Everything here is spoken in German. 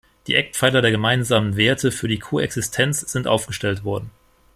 Die Eckpfeiler der gemeinsamen Werte für die Koexistenz sind aufgestellt worden.